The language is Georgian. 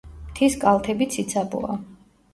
მთის კალთები ციცაბოა.